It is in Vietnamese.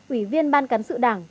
ủy viên ban cán sự đảng